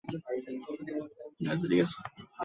গোবিন্দমাণিক্য কহিলেন, ত্রিপুরার।